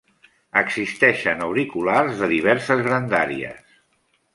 Existeixen auriculars de diverses grandàries.